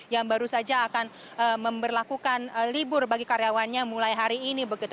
yang baru saja akan memperlakukan libur bagi karyawannya mulai hari ini